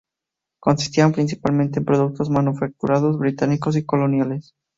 Consistían principalmente en productos manufacturados británicos y coloniales.